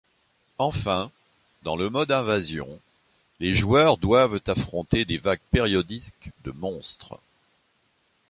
Enfin, dans le mode invasion, les joueurs doivent affronter des vagues périodiques de monstres.